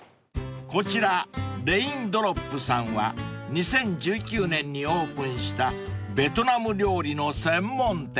［こちらＲａｉｎｄｒｏｐさんは２０１９年にオープンしたベトナム料理の専門店］